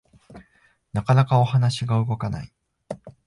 なかなかお話が動かない